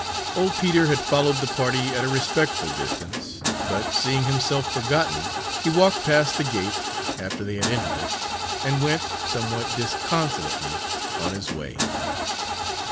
Old Peter had followed the party at a respectful distance, but, seeing himself forgotten, he walked past the gate, after they had entered it, and went, somewhat disconsolately, on his way.